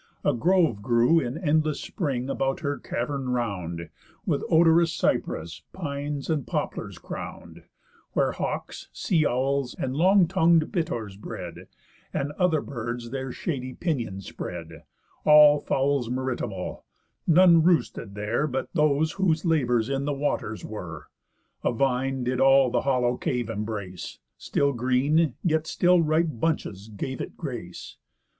A grove grew In endless spring about her cavern round, With odorous cypress, pines, and poplars, crown'd, Where hawks, sea owls, and long tongued bittours bred, And other birds their shady pinions spread; All fowls maritimal; none roosted there, But those whose labours in the waters were. A vine did all the hollow cave embrace, Still green, yet still ripe bunches gave it grace.